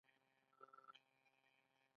دوی له چین سره هم سوداګري کوي.